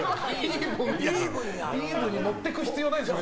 イーブンに持ってく必要ないでしょ。